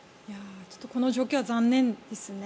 ちょっとこの状況は残念ですね。